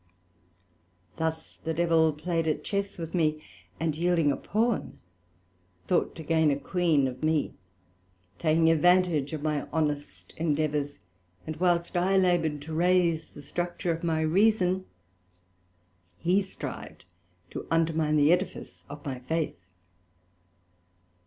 Thus the Devil played at Chess with me, and yielding a Pawn, thought to gain a Queen of me, taking advantage of my honest endeavours; and whilst I laboured to raise the structure of my Reason, he strived to undermine the edifice of my Faith.